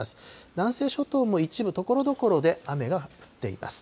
南西諸島も一部、ところどころで雨が降っています。